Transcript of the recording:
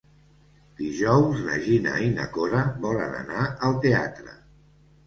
Dijous na Gina i na Cora volen anar al teatre.